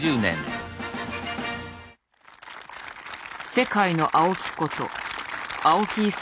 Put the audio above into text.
「世界のアオキ」こと青木功